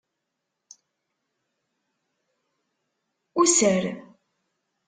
User.